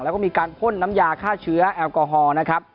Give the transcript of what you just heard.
แล้วก็มีการพ่นน้ำยาฆ่าเชื้อแอลกอฮอล์นะครับ